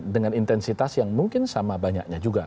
dengan intensitas yang mungkin sama banyaknya juga